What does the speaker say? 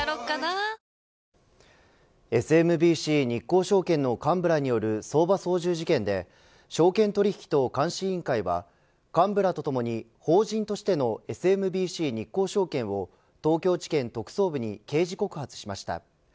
ＳＭＢＣ日興証券の幹部らによる相場操縦事件で証券取引等監視委員会は幹部らとともに法人としてのＳＭＢＣ日興証券を東京地検特捜部に刑事告発しました。